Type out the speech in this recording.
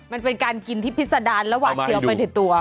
มันเป็นการกินที่พิษดานระหว่างเจียวไปเด็ดตัว